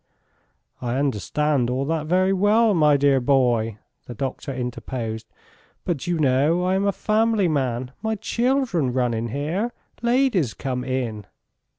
"I understand all that very well, my dear boy," the doctor interposed, "but you know I am a family man, my children run in here, ladies come in."